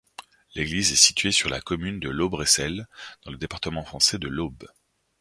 L'église est située sur la commune de Laubressel, dans le département français de l'Aube.